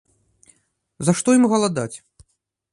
За што ім галадаць?